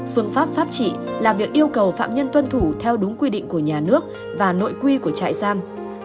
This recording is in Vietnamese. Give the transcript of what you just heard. phương pháp pháp trị là việc yêu cầu phạm nhân tuân thủ theo đúng quy định của nhà nước và nội quy của trại giam